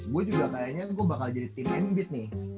gue juga kayaknya gue bakal jadi tim ambit nih